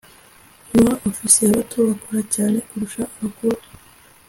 Ba Ofisiye Bato bakora cyane kurusha abakuru.